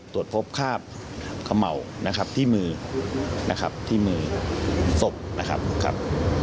ตรวจพบคาบเขม่านะครับที่มือนะครับที่มือศพนะครับครับ